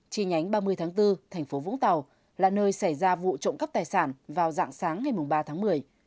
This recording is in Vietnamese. chi nhánh ba mươi tháng bốn thành phố vũng tàu là nơi xảy ra vụ trộm cắp tài sản vào dạng sáng ngày ba tháng một mươi